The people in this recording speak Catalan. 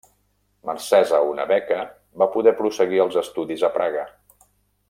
Mercès a una beca, va poder prosseguir els estudis a Praga.